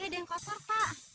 eh ada yang kosor pak